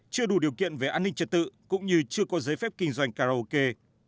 chưa đủ điều kiện về an ninh trật tự cũng như chưa có giấy phép kinh doanh karaoke